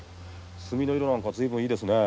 墨の色なんか随分いいですね。